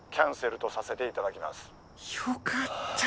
よかった！